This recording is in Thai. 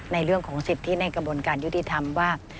ในเรื่องของสิทธิในกระบวนการยุติธรรมว่า